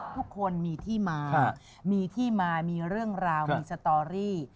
ทุกคนมีที่มามีที่มามีเรื่องราวมีสตอรี่